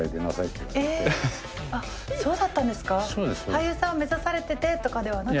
俳優さんを目指されててとかではなく？